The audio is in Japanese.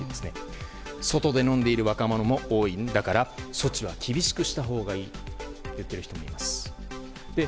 外で飲んでいる若者も多いんだから措置は厳しくしたほうがいいと言っている人もいます。